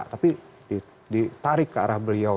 tapi ditarik ke arah beliau